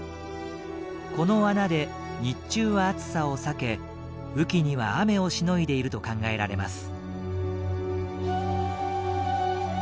この穴で日中は暑さを避け雨季には雨をしのいでいると考えられます。